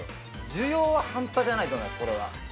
需要ははんぱじゃないと思います、これは。